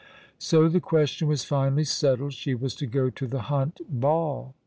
So the question was finally settled— she was to go to the Hunt Ball.